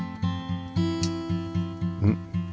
うん？